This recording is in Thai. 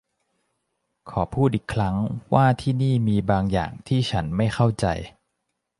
ขอพูดอีกครั้งว่าที่นี่มีบางอย่างที่ฉันไม่เข้าใจ